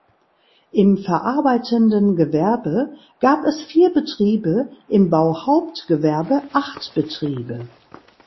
Im verarbeitenden Gewerbe gab es vier Betriebe, im Bauhauptgewerbe acht Betriebe.